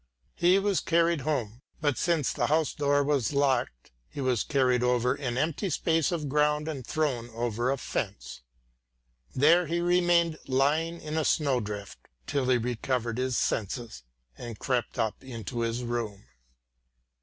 He was carried home, but since the house door was locked, he was carried over an empty piece of ground and thrown over a fence. There he remained lying in a snow drift, till he recovered his senses, and crept up into his room.